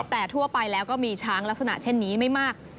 แต่ทั่วไปแล้วก็มีช้างลักษณะเช่นนี้ไม่มาก